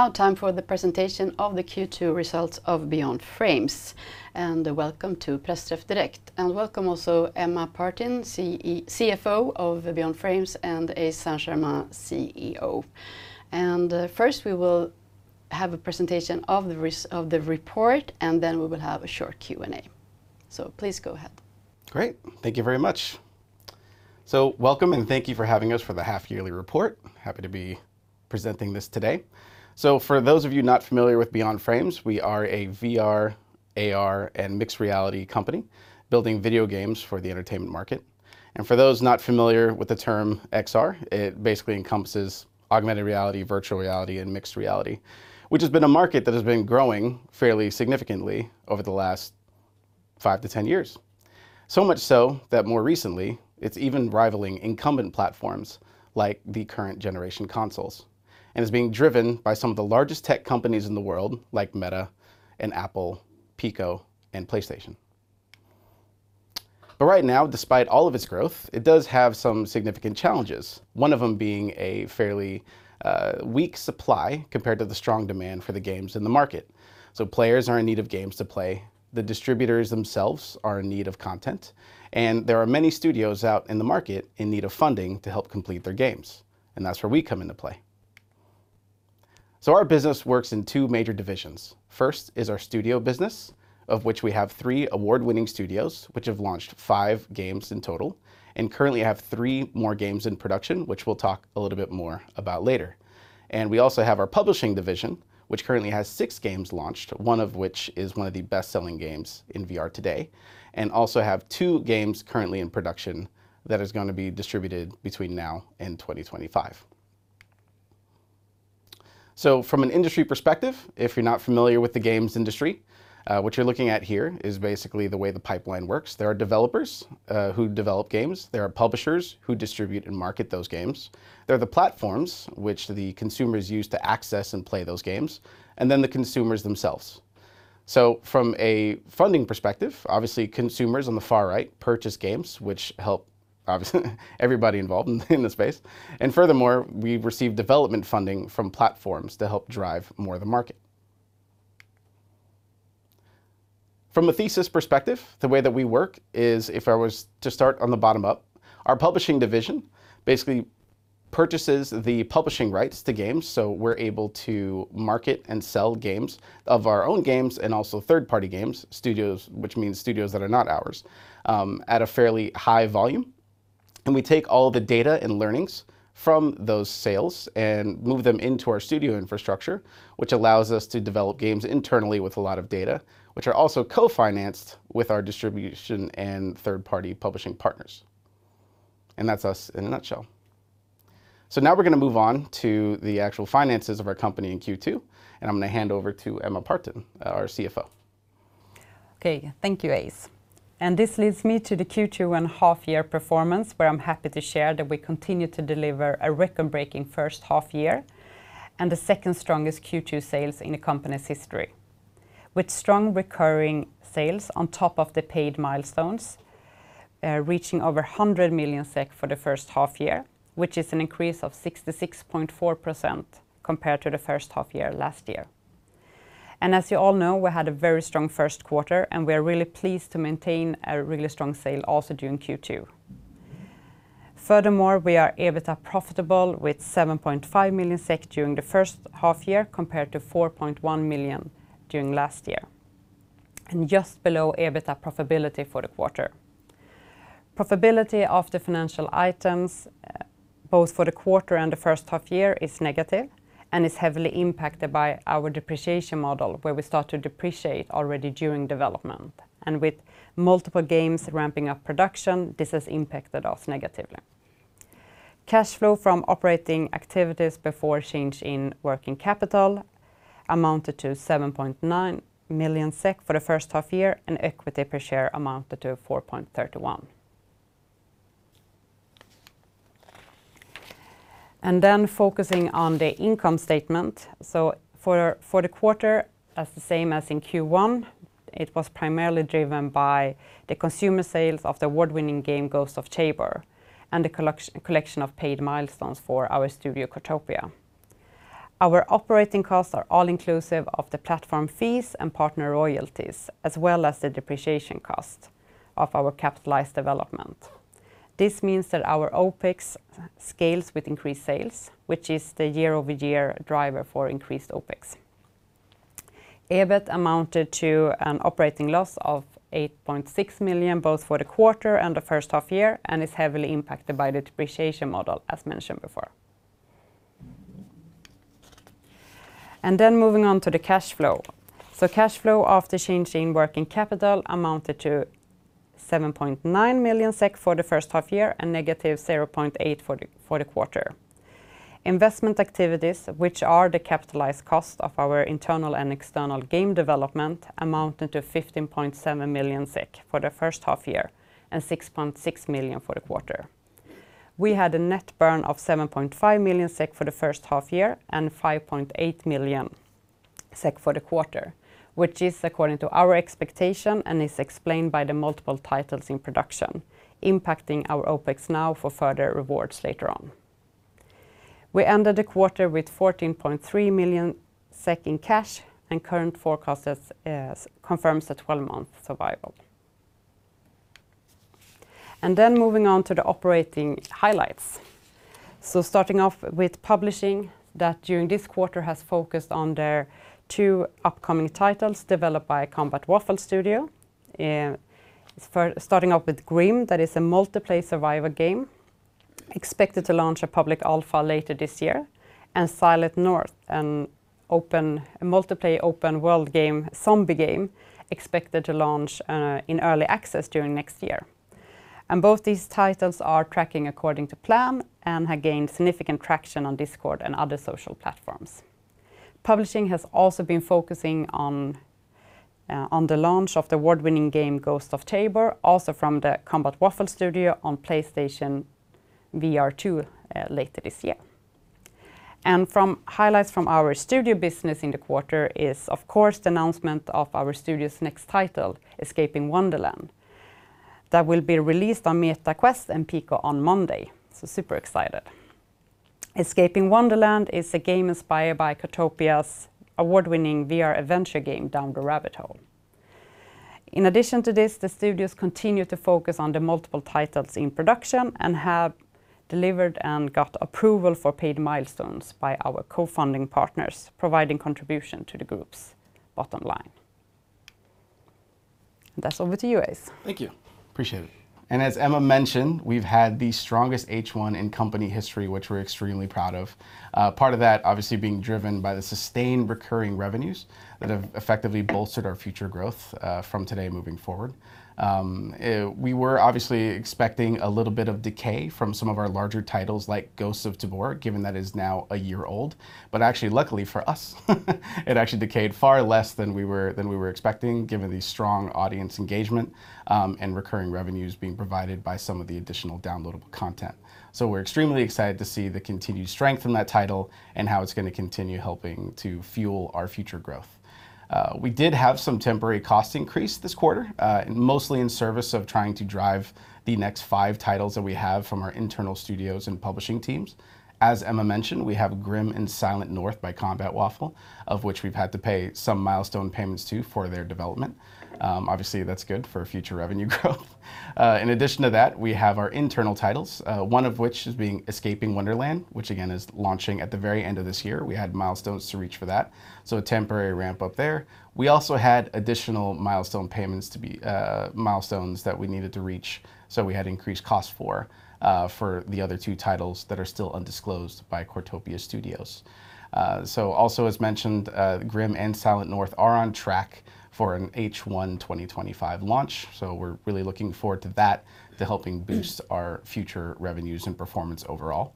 Now time for the presentation of the Q2 results of Beyond Frames, and welcome to Pressbrief Direkt. And welcome also Emma Partin, CFO of Beyond Frames, and Ace St. Germain, CEO. And first we will have a presentation of the results of the report, and then we will have a short Q&A. So please go ahead. Great. Thank you very much, so welcome and thank you for having us for the half yearly report. Happy to be presenting this today, so for those of you not familiar with Beyond Frames, we are a VR, AR, and mixed reality company, building video games for the entertainment market. For those not familiar with the term XR, it basically encompasses augmented reality, virtual reality, and mixed reality, which has been a market that has been growing fairly significantly over the last five to 10 years. So much so that more recently, it's even rivaling incumbent platforms, like the current generation consoles, and is being driven by some of the largest tech companies in the world, like Meta and Apple, Pico and PlayStation. But right now, despite all of its growth, it does have some significant challenges. One of them being a fairly weak supply compared to the strong demand for the games in the market, so players are in need of games to play, the distributors themselves are in need of content, and there are many studios out in the market in need of funding to help complete their games, and that's where we come into play, so our business works in two major divisions. First is our studio business, of which we have three award-winning studios, which have launched five games in total, and currently have three more games in production, which we'll talk a little bit more about later, and we also have our publishing division, which currently has six games launched, one of which is one of the best-selling games in VR today, and also have two games currently in production that is gonna be distributed between now and twenty twenty-five. So from an industry perspective, if you're not familiar with the games industry, what you're looking at here is basically the way the pipeline works. There are developers who develop games. There are publishers, who distribute and market those games. There are the platforms, which the consumers use to access and play those games, and then the consumers themselves. So from a funding perspective, obviously, consumers on the far right purchase games, which help, obviously, everybody involved in the space. And furthermore, we receive development funding from platforms to help drive more of the market. From a thesis perspective, the way that we work is, if I was to start on the bottom up, our publishing division basically purchases the publishing rights to games, so we're able to market and sell games of our own games and also third-party games, studios- which means studios that are not ours, at a fairly high volume. And we take all the data and learnings from those sales and move them into our studio infrastructure, which allows us to develop games internally with a lot of data, which are also co-financed with our distribution and third-party publishing partners. And that's us in a nutshell. So now we're gonna move on to the actual finances of our company in Q2, and I'm gonna hand over to Emma Partin, our CFO. Okay. Thank you, Ace. And this leads me to the Q2 and half year performance, where I'm happy to share that we continue to deliver a record-breaking first half year, and the second strongest Q2 sales in the company's history. With strong recurring sales on top of the paid milestones, reaching over 100 million SEK for the first half year, which is an increase of 66.4% compared to the first half year last year. And as you all know, we had a very strong first quarter, and we are really pleased to maintain a really strong sales also during Q2. Furthermore, we are EBITDA profitable with 7.5 million SEK during the first half year, compared to 4.1 million during last year, and just below EBITDA profitability for the quarter. Profitability of the financial items, both for the quarter and the first half year, is negative and is heavily impacted by our depreciation model, where we start to depreciate already during development, and with multiple games ramping up production, this has impacted us negatively. Cash flow from operating activities before change in working capital amounted to 7.9 million SEK for the first half year, and equity per share amounted to 4.31. Then focusing on the income statement, for the quarter, as the same as in Q1, it was primarily driven by the consumer sales of the award-winning game, Ghosts of Tabor, and the collection of paid milestones for our studio, Cortopia. Our operating costs are all inclusive of the platform fees and partner royalties, as well as the depreciation cost of our capitalized development. This means that our OPEX scales with increased sales, which is the year-over-year driver for increased OPEX. EBIT amounted to an operating loss of 8.6 million, both for the quarter and the first half year, and is heavily impacted by the depreciation model, as mentioned before. And then moving on to the cash flow. So cash flow after change in working capital amounted to 7.9 million SEK for the first half year, and negative 0.8 for the quarter. Investment activities, which are the capitalized cost of our internal and external game development, amounted to 15.7 million SEK for the first half year and 6.6 million for the quarter. We had a net burn of 7.5 million SEK for the first half year and 5.8 million-... SEK for the quarter, which is according to our expectation, and is explained by the multiple titles in production, impacting our OPEX now for further rewards later on. We ended the quarter with 14.3 million SEK in cash, and current forecast as confirms a 12-month survival. Then moving on to the operating highlights. Starting off with publishing, that during this quarter has focused on their two upcoming titles developed by Combat Waffle Studio. Starting off with GRIM, that is a multiplayer survival game, expected to launch a public alpha later this year. And Silent North, a multiplayer open-world game, zombie game, expected to launch in early access during next year. And both these titles are tracking according to plan and have gained significant traction on Discord and other social platforms. Publishing has also been focusing on the launch of the award-winning game, Ghosts of Tabor, also from the Combat Waffle Studio, on PlayStation VR2, later this year. And highlights from our studio business in the quarter is, of course, the announcement of our studio's next title, Escaping Wonderland, that will be released on Meta Quest and Pico on Monday. So super excited. Escaping Wonderland is a game inspired by Cortopia's award-winning VR adventure game, Down the Rabbit Hole. In addition to this, the studios continue to focus on the multiple titles in production and have delivered and got approval for paid milestones by our co-funding partners, providing contribution to the group's bottom line. And that's over to you, Ace. Thank you. Appreciate it. And as Emma mentioned, we've had the strongest H1 in company history, which we're extremely proud of. Part of that obviously being driven by the sustained recurring revenues that have effectively bolstered our future growth, from today moving forward. We were obviously expecting a little bit of decay from some of our larger titles, like Ghosts of Tabor, given that it's now a year old, but actually, luckily for us, it actually decayed far less than we were expecting, given the strong audience engagement, and recurring revenues being provided by some of the additional downloadable content. So we're extremely excited to see the continued strength in that title and how it's gonna continue helping to fuel our future growth. We did have some temporary cost increase this quarter, mostly in service of trying to drive the next five titles that we have from our internal studios and publishing teams. As Emma mentioned, we have GRIM and Silent North by Combat Waffle, of which we've had to pay some milestone payments to for their development. Obviously, that's good for future revenue growth. In addition to that, we have our internal titles, one of which is being Escaping Wonderland, which again, is launching at the very end of this year. We had milestones to reach for that, so a temporary ramp up there. We also had additional milestones that we needed to reach, so we had increased costs for the other two titles that are still undisclosed by Cortopia Studios. So also, as mentioned, GRIM and Silent North are on track for an H1 2025 launch, so we're really looking forward to that, to helping boost our future revenues and performance overall.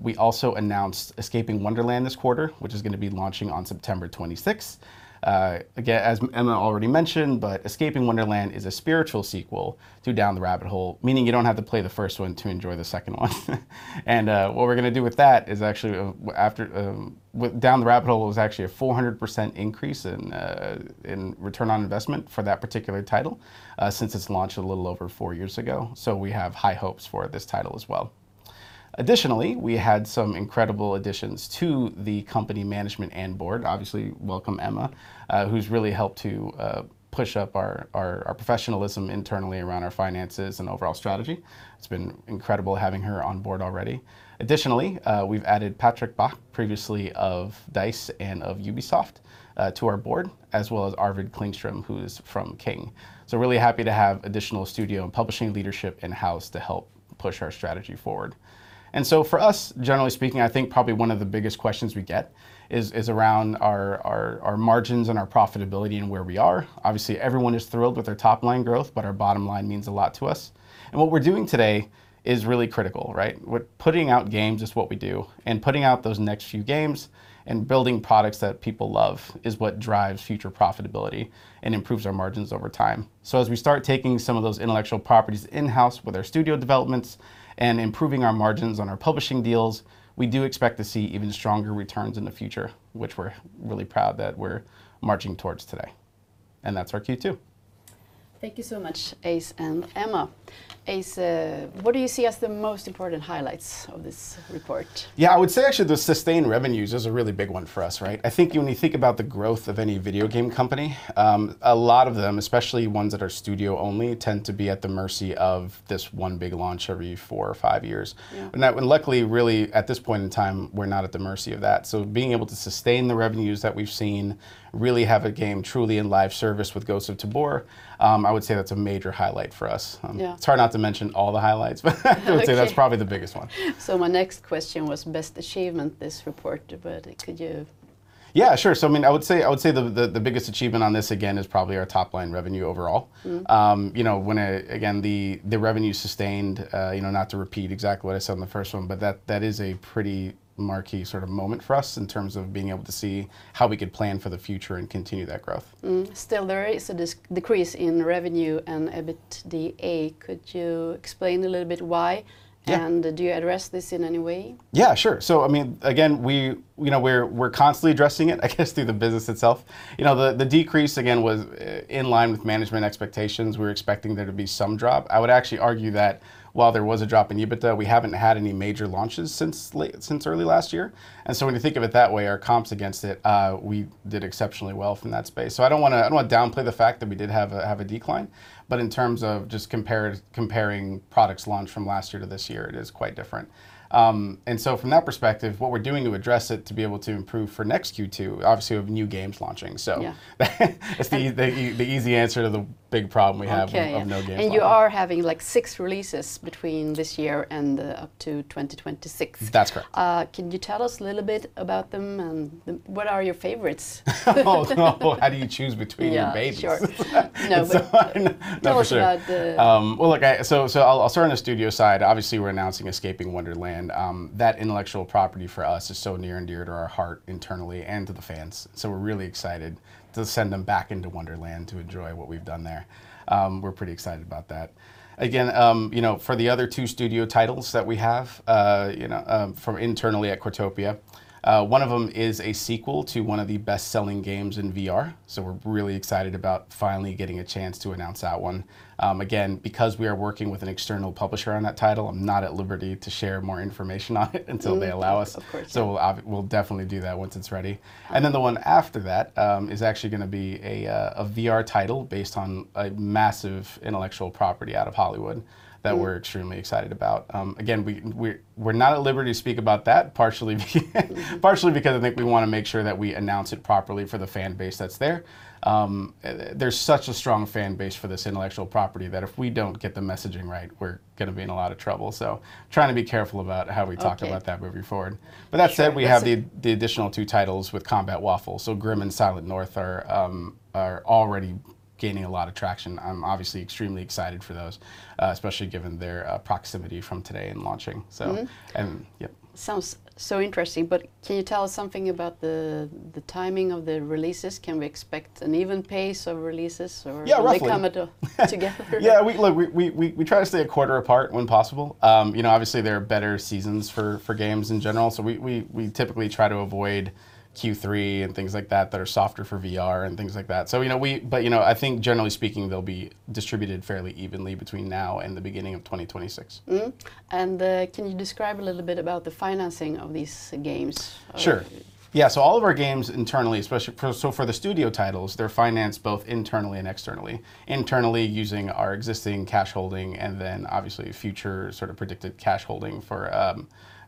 We also announced Escaping Wonderland this quarter, which is gonna be launching on September 26th. Again, as Emma already mentioned, but Escaping Wonderland is a spiritual sequel to Down the Rabbit Hole, meaning you don't have to play the first one to enjoy the second one. And, what we're gonna do with that is actually... With Down the Rabbit Hole, it was actually a 400% increase in return on investment for that particular title, since its launch a little over four years ago, so we have high hopes for this title as well. Additionally, we had some incredible additions to the company management and board. Obviously, welcome, Emma, who's really helped to push up our professionalism internally around our finances and overall strategy. It's been incredible having her on board already. Additionally, we've added Patrik Bach, previously of DICE and of Ubisoft, to our board, as well as Arvid Klingström, who is from King. So really happy to have additional studio and publishing leadership in-house to help push our strategy forward. For us, generally speaking, I think probably one of the biggest questions we get is around our margins and our profitability and where we are. Obviously, everyone is thrilled with our top-line growth, but our bottom line means a lot to us, and what we're doing today is really critical, right? We're putting out games, it's what we do, and putting out those next few games and building products that people love is what drives future profitability and improves our margins over time, so as we start taking some of those intellectual properties in-house with our studio developments and improving our margins on our publishing deals, we do expect to see even stronger returns in the future, which we're really proud that we're marching towards today, and that's our Q2. Thank you so much, Ace and Emma. Ace, what do you see as the most important highlights of this report? Yeah, I would say actually, the sustained revenues is a really big one for us, right? I think when you think about the growth of any video game company, a lot of them, especially ones that are studio-only, tend to be at the mercy of this one big launch every four or five years. Yeah. That one, luckily, really, at this point in time, we're not at the mercy of that. Being able to sustain the revenues that we've seen, really have a game truly in live service with Ghosts of Tabor, I would say that's a major highlight for us. Yeah. It's hard not to mention all the highlights, but- Okay... I would say that's probably the biggest one. So my next question was best achievement this report, but could you-... Yeah, sure. So, I mean, I would say the biggest achievement on this, again, is probably our top-line revenue overall. Mm. You know, when again, the revenue sustained, you know, not to repeat exactly what I said on the first one, but that is a pretty marquee sort of moment for us in terms of being able to see how we could plan for the future and continue that growth. Still, there is a decrease in revenue and EBITDA. Could you explain a little bit why? Yeah. Do you address this in any way? Yeah, sure. So I mean, again, we, you know, we're constantly addressing it, I guess, through the business itself. You know, the decrease, again, was in line with management expectations. We were expecting there to be some drop. I would actually argue that while there was a drop in EBITDA, we haven't had any major launches since early last year. And so when you think of it that way, our comps against it, we did exceptionally well from that space. So I don't wanna, I don't want to downplay the fact that we did have a, have a decline, but in terms of just comparing products launched from last year to this year, it is quite different. And so from that perspective, what we're doing to address it to be able to improve for next Q2. Obviously, we have new games launching, so- Yeah.... It's the easy answer to the big problem we have- Okay... of no games launching. And you are having, like, six releases between this year and up to 2026. That's correct. Can you tell us a little bit about them, and then what are your favorites? Oh, no. How do you choose between your babies? Yeah, sure. No, but- No, for sure.... tell us about the Well, look, I'll start on the studio side. Obviously, we're announcing Escaping Wonderland. That intellectual property for us is so near and dear to our heart internally and to the fans, so we're really excited to send them back into Wonderland to enjoy what we've done there. We're pretty excited about that. Again, you know, for the other two studio titles that we have, you know, from internally at Cortopia, one of them is a sequel to one of the best-selling games in VR, so we're really excited about finally getting a chance to announce that one. Again, because we are working with an external publisher on that title, I'm not at liberty to share more information on it until they allow us. Of course, yeah. So we'll definitely do that once it's ready. Okay. And then the one after that is actually gonna be a VR title based on a massive intellectual property out of Hollywood- Mm ... that we're extremely excited about. Again, we're not at liberty to speak about that, partially because I think we wanna make sure that we announce it properly for the fan base that's there. There's such a strong fan base for this intellectual property, that if we don't get the messaging right, we're gonna be in a lot of trouble. So trying to be careful about how we talk- Okay... about that moving forward. Sure. But that said, we have the additional two titles with Combat Waffle, so Grim and Silent North are already gaining a lot of traction. I'm obviously extremely excited for those, especially given their proximity from today and launching. Mm-hmm. So, yeah. Sounds so interesting, but can you tell us something about the timing of the releases? Can we expect an even pace of releases, or- Yeah, roughly... they come... together? Yeah, look, we try to stay a quarter apart when possible. You know, obviously, there are better seasons for games in general, so we typically try to avoid Q3 and things like that that are softer for VR and things like that. So, you know, but, you know, I think generally speaking, they'll be distributed fairly evenly between now and the beginning of 2026. And, can you describe a little bit about the financing of these games or- Sure. Yeah, so all of our games internally, especially. So for the studio titles, they're financed both internally and externally. Internally, using our existing cash holding, and then obviously, future sort of predicted cash holding for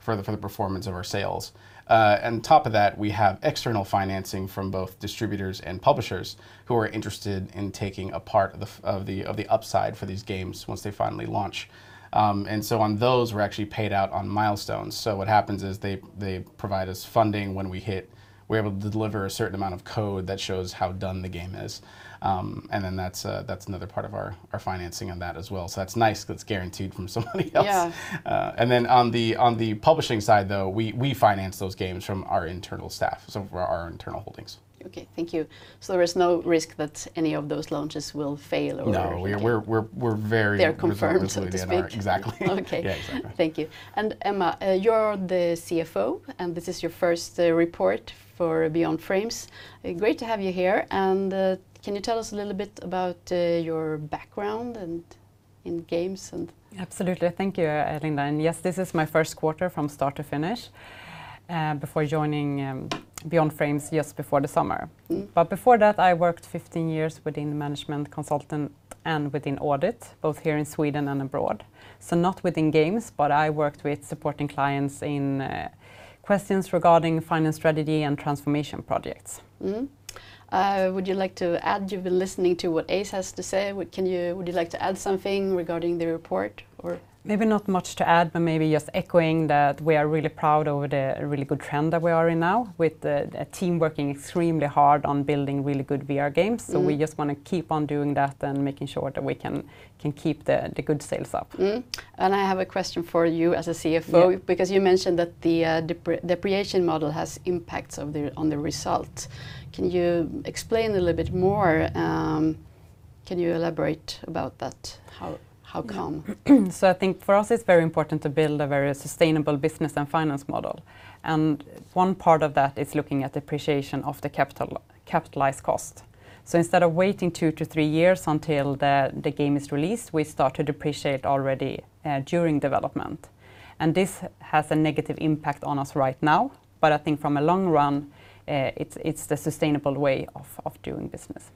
the performance of our sales. And on top of that, we have external financing from both distributors and publishers who are interested in taking a part of the upside for these games once they finally launch. And so on those, we're actually paid out on milestones. So what happens is they provide us funding when we hit, we're able to deliver a certain amount of code that shows how done the game is. And then that's another part of our financing on that as well, so that's nice that it's guaranteed from somebody else. Yeah. And then on the publishing side, though, we finance those games from our internal staff, so from our internal holdings. Okay, thank you. So there is no risk that any of those launches will fail or- No. Okay. We're very- They're confirmed at this point.... confident with VR. Exactly. Okay. Yeah, exactly. Thank you. And Emma, you're the CFO, and this is your first report for Beyond Frames. Great to have you here, and can you tell us a little bit about your background and in games, and- Absolutely. Thank you, Linda, and yes, this is my first quarter from start to finish, before joining, Beyond Frames just before the summer. Mm. But before that, I worked 15 years within the management consultant and within audit, both here in Sweden and abroad. So not within games, but I worked with supporting clients in questions regarding finance strategy and transformation projects. Mm-hmm. Would you like to add? You've been listening to what Ace has to say. What? Would you like to add something regarding the report, or? Maybe not much to add, but maybe just echoing that we are really proud over the really good trend that we are in now, with a team working extremely hard on building really good VR games. Mm. We just wanna keep on doing that and making sure that we can keep the good sales up. Mm-hmm. And I have a question for you as a CFO. Yeah... because you mentioned that the depreciation model has impacts on the result. Can you explain a little bit more? Can you elaborate about that? How come? So I think for us, it's very important to build a very sustainable business and finance model, and one part of that is looking at depreciation of the capital, capitalized cost. So instead of waiting two to three years until the game is released, we start to depreciate already during development, and this has a negative impact on us right now. But I think from a long run, it's the sustainable way of doing business....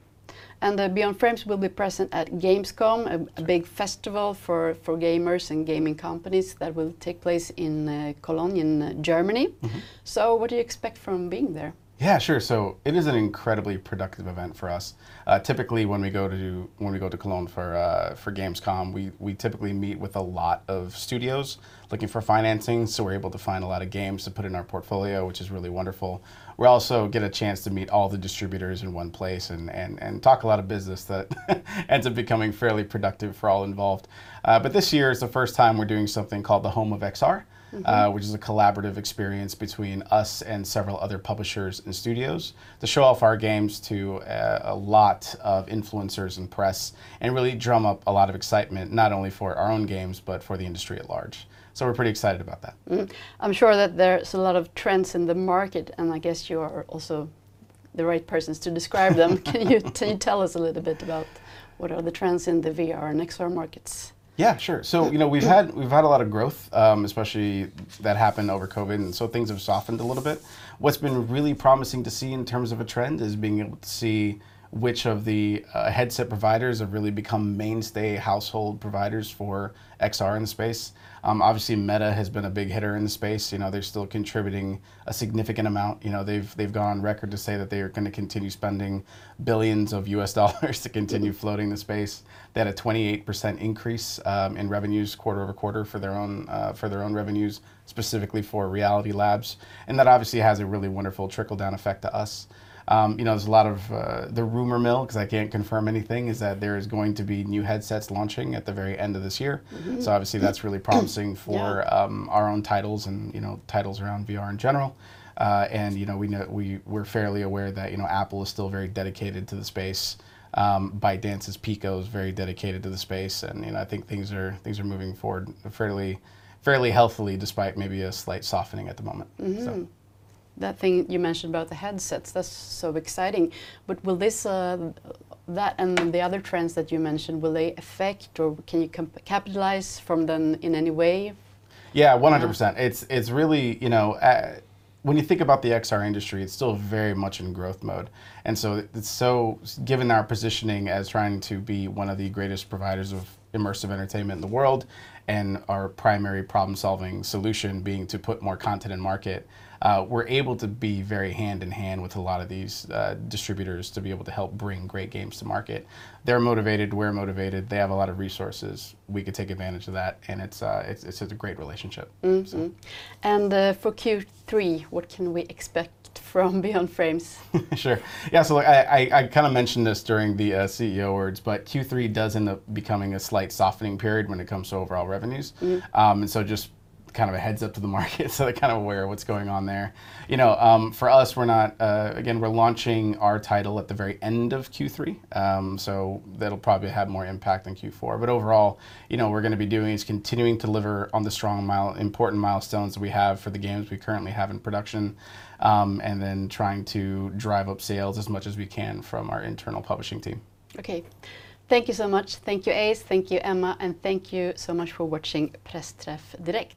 and the Beyond Frames will be present at Gamescom- Right... a big festival for gamers and gaming companies that will take place in Cologne in Germany. Mm-hmm. So what do you expect from being there? Yeah, sure. So it is an incredibly productive event for us. Typically, when we go to Cologne for Gamescom, we typically meet with a lot of studios looking for financing, so we're able to find a lot of games to put in our portfolio, which is really wonderful. We also get a chance to meet all the distributors in one place and talk a lot of business that ends up becoming fairly productive for all involved. But this year is the first time we're doing something called the Home of XR- Mm-hmm ... which is a collaborative experience between us and several other publishers and studios to show off our games to, a lot of influencers and press, and really drum up a lot of excitement, not only for our own games, but for the industry at large. So we're pretty excited about that. I'm sure that there's a lot of trends in the market, and I guess you are also the right persons to describe them. Can you tell us a little bit about what are the trends in the VR and XR markets? Yeah, sure. So, you know, we've had- Mm... we've had a lot of growth, especially that happened over COVID, and so things have softened a little bit. What's been really promising to see in terms of a trend is being able to see which of the headset providers have really become mainstay household providers for XR in the space. Obviously, Meta has been a big hitter in the space. You know, they're still contributing a significant amount. You know, they've gone on record to say that they are gonna continue spending billions of dollars to continue floating the space. They had a 28% increase in revenues quarter over quarter for their own revenues, specifically for Reality Labs, and that obviously has a really wonderful trickle-down effect to us. You know, there's a lot of... The rumor mill, 'cause I can't confirm anything, is that there is going to be new headsets launching at the very end of this year. Mm-hmm. So obviously, that's really promising for- Yeah... our own titles and, you know, titles around VR in general, and, you know, we're fairly aware that, you know, Apple is still very dedicated to the space. ByteDance's Pico is very dedicated to the space and, you know, I think things are moving forward fairly healthily, despite maybe a slight softening at the moment. Mm-hmm. So. That thing you mentioned about the headsets, that's so exciting, but will this, that and the other trends that you mentioned, will they affect or can you capitalize from them in any way? Yeah, 100%. Yeah. It's really... You know, when you think about the XR industry, it's still very much in growth mode, and so it's so... Given our positioning as trying to be one of the greatest providers of immersive entertainment in the world, and our primary problem-solving solution being to put more content in market, we're able to be very hand-in-hand with a lot of these distributors to be able to help bring great games to market. They're motivated. We're motivated. They have a lot of resources. We can take advantage of that, and it's a great relationship. Mm-hmm. So. And, for Q3, what can we expect from Beyond Frames? Sure. Yeah, so look, I kind of mentioned this during the CEO words, but Q3 does end up becoming a slight softening period when it comes to overall revenues. Mm. And so just kind of a heads-up to the market, so they're kind of aware of what's going on there. You know, for us, again, we're launching our title at the very end of Q3. So that'll probably have more impact in Q4. But overall, you know, what we're gonna be doing is continuing to deliver on the strong important milestones we have for the games we currently have in production, and then trying to drive up sales as much as we can from our internal publishing team. Okay. Thank you so much. Thank you, Ace, thank you, Emma, and thank you so much for watching Pressbrief Direkt.